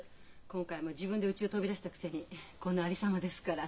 今回も自分でうちを飛び出したくせにこのありさまですから。